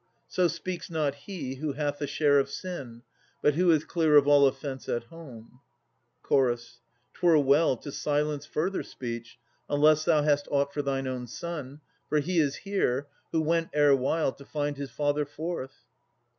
So speaks not he who hath a share of sin, But who is clear of all offence at home. CH. 'Twere well to say no more, unless thou hast aught To impart to thine own son: for he is here, Who went erewhile to find his father forth.